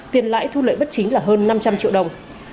tiền lãi thu lợi bất chính là hơn năm trăm linh triệu đồng